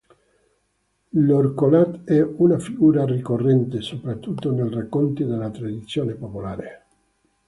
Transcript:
L'Orcolat è una figura ricorrente soprattutto nei racconti della tradizione popolare.